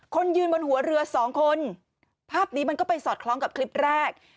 คนยืนบนหัวเรือสองคนภาพนี้มันก็ไปสอดคล้องกับคลิปแรก